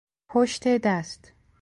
پشت دست